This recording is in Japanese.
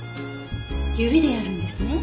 指でやるんですね。